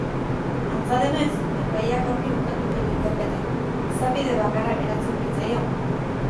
Antza denez, epaileak aurki bukatuko du ikerketa, izapide bakarra geratzen baitzaio.